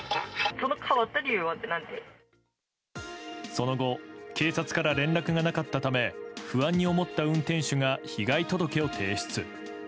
その後警察から連絡がなかったため不安に思った運転手が被害届を提出。